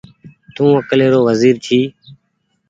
تو اڪلي رو وزير جي